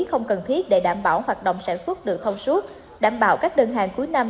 không cần thiết để đảm bảo hoạt động sản xuất được thông suốt đảm bảo các đơn hàng cuối năm